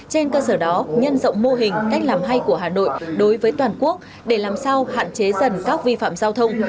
trên cơ sở đó nhân rộng mô hình cách làm hay của hà nội đối với toàn quốc để làm sao hạn chế dần các vi phạm giao thông